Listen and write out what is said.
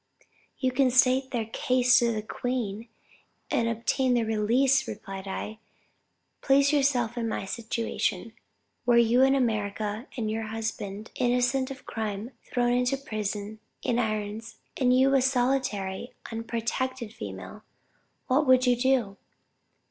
You can state their case to the queen and obtain their release, replied I. Place yourself in my situation were you in America, your husband, innocent of crime, thrown into prison, in irons, and you a solitary, unprotected female what would you do?